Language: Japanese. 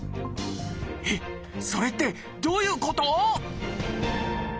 えっそれってどういうこと？